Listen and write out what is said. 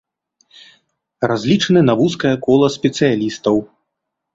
Разлічаны на вузкае кола спецыялістаў.